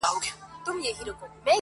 شپه چي تياره سي ،رڼا خوره سي_